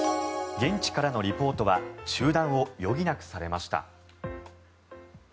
現地からのリポートは中断を余儀なくされました。